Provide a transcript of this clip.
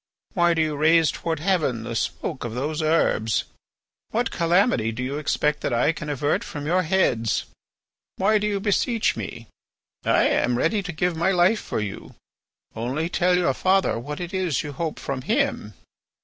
Why do you raise towards heaven the smoke of those herbs? What calamity do you expect that I can avert from your heads? Why do you beseech me? I am ready to give my life for you. Only tell your father what it is you hope from him."